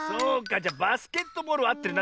じゃバスケットボールはあってるな。